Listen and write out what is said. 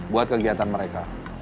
buat kegiatan mereka